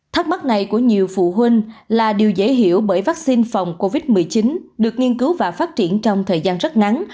thắc mắc này của nhiều phụ huynh là điều dễ hiểu bởi vaccine phòng covid một mươi chín được nghiên cứu và phát triển trong thời gian rất ngắn